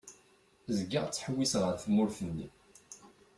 Zgiɣ ttḥewwiseɣ ar tmurt-nni.